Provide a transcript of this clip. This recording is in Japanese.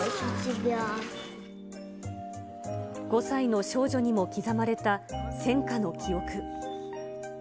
５歳の少女にも刻まれた戦火の記憶。